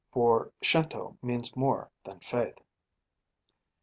For Shinto means more than faith.